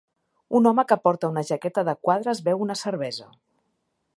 Un home que porta una jaqueta de quadres beu una cervesa.